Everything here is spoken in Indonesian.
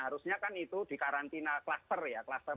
harusnya kan itu di karantina kluster ya